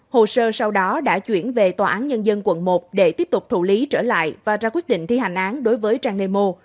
hồ sơ sau đó đã chuyển về tòa án nhân dân quận một để tiếp tục thủ lý trở lại và ra quyết định thi hành án đối với trang nemo